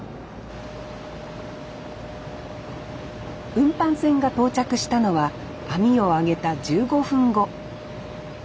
運搬船が到着したのは網を揚げた１５分後。